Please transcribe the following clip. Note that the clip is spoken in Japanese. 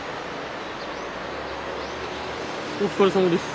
お疲れさまです。